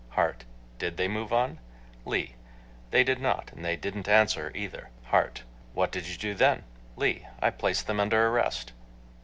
HART: Did they move on? LEE: They did not; and they didn't answer either. HART: What did you do then? LEE: I placed them under arrest.